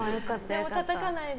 でもたたかないで。